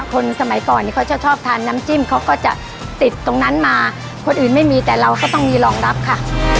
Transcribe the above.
คนสมัยก่อนที่เขาจะชอบทานน้ำจิ้มเขาก็จะติดตรงนั้นมาคนอื่นไม่มีแต่เราก็ต้องมีรองรับค่ะ